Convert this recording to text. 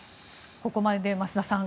ここまでで増田さん